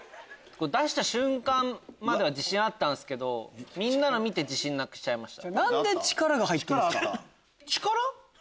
出した瞬間までは自信あったんすけどみんなの見て自信なくしました。